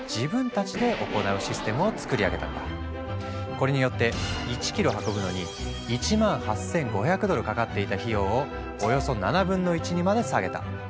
これによって１キロ運ぶのに１万８，５００ドルかかっていた費用をおよそ７分の１にまで下げた。